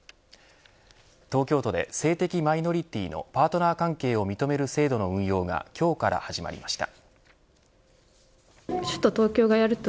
東京都で性的マイノリティーのパートナー関係を認める制度の運用が今日から始まりました。